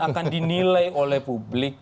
akan dinilai oleh publik